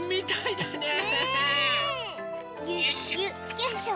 よいしょ！